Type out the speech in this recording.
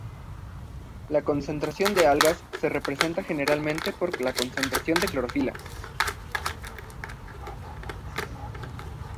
La concentración de algas se representa generalmente por la concentración de clorofila.